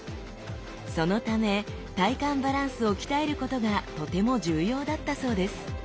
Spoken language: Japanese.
そのため体幹バランスを鍛えることがとても重要だったそうです。